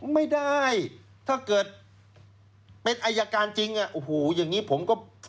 ไม่ได้ถ้าเกิดเป็นอายการจริงอย่างนี้ผมก็